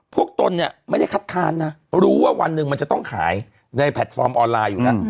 ตนเนี่ยไม่ได้คัดค้านนะรู้ว่าวันหนึ่งมันจะต้องขายในแพลตฟอร์มออนไลน์อยู่แล้ว